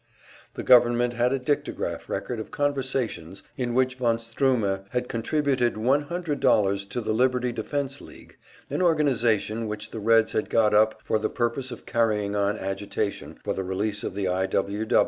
The government had a dictagraph record of conversations in which von Stroeme had contributed one hundred dollars to the Liberty Defense League, an organization which the Reds had got up for the purpose of carrying on agitation for the release of the I.